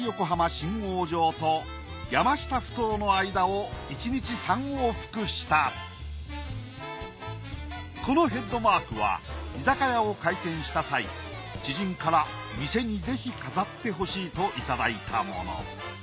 信号場と山下埠頭の間を１日３往復したこのヘッドマークは居酒屋を開店した際知人から店にぜひ飾ってほしいといただいたもの。